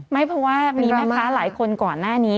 ไม่เพราะว่ามีแม่ค้าหลายคนก่อนหน้านี้